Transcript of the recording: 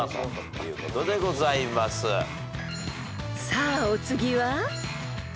［さあお次は］